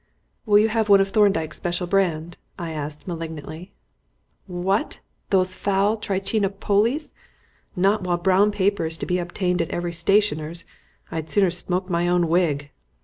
"Will you have one of Thorndyke's special brand?" I asked malignantly. "What! those foul Trichinopolies? Not while brown paper is to be obtained at every stationer's; I'd sooner smoke my own wig."